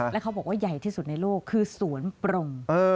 แล้วเขาบอกว่าใหญ่ที่สุดในโลกคือสวนปรง